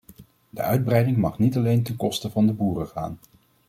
De uitbreiding mag niet alleen ten koste van de boeren gaan.